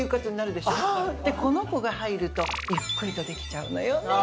でこの子が入るとゆっくりとできちゃうのよねああ